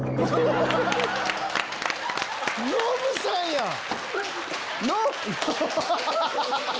ノブさんやん！